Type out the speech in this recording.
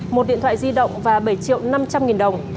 một điện thoại di động và bảy triệu năm trăm linh nghìn đồng